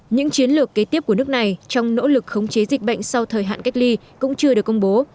những chiến lược kế tiếp của nước này trong nỗ lực khống chế dịch bệnh sau thời hạn cách ly cũng chưa được công bố